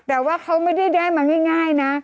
แต่ว่าเขาไม่ได้ได้มาง่ายนะ